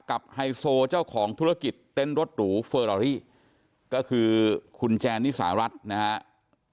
ไฮโซเจ้าของธุรกิจเต้นรถหรูเฟอรารี่ก็คือคุณแจนนิสารัฐนะครับ